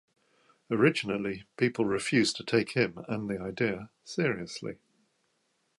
Originally people refused to take him, and the idea, seriously.